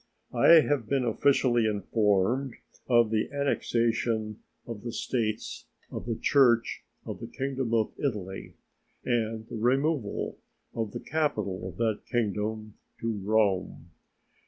I have been officially informed of the annexation of the States of the Church to the Kingdom of Italy, and the removal of the capital of that Kingdom to Rome.